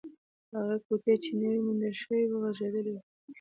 هغه کوټې چې نوې موندل شوې وه، غږېدلې وه.